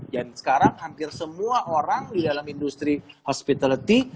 dan sekarang hampir semua orang di dalam industri hospitality